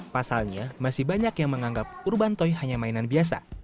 pasalnya masih banyak yang menganggap urban toy hanya mainan biasa